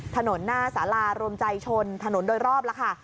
ถนนหน้าสารารวมใจชนถนนโดยรอบแล้วค่ะ